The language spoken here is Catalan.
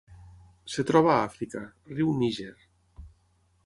Es troba a Àfrica: riu Níger.